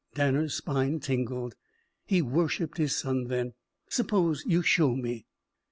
Danner's spine tingled. He worshipped his son then. "Suppose you show me."